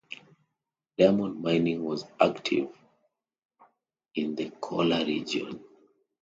Diamond mining was active in the Kollur region.